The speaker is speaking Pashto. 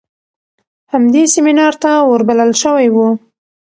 هم دې سمينار ته ور بلل شوى و.